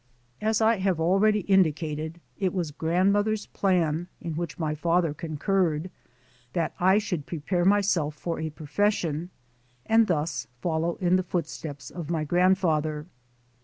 As I have already indicated, it was grandmother's plan, in which my father concurred, that I should prepare myself for a profession and thus follow in the footsteps of my grandfather.